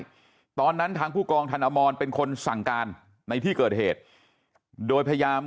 ตอนนั้นทางผู้กองธนมรเป็นคนสั่งการในที่เกิดเหตุโดยพยายาม